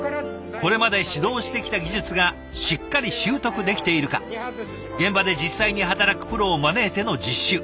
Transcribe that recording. これまで指導してきた技術がしっかり習得できているか現場で実際に働くプロを招いての実習。